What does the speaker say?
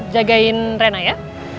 jagain rena ya